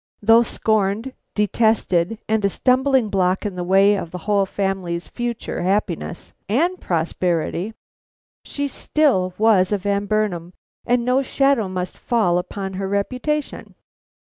Though scorned, detested, and a stumbling block in the way of the whole family's future happiness and prosperity, she still was a Van Burnam, and no shadow must fall upon her reputation.